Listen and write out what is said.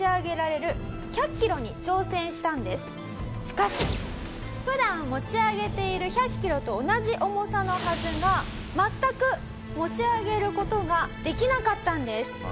早速普段持ち上げている１００キロと同じ重さのはずが全く持ち上げる事ができなかったんです。